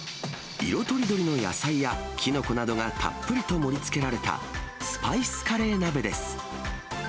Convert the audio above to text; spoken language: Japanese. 色とりどりの野菜や、きのこなどがたっぷりと盛りつけられたスパイスカレー鍋です。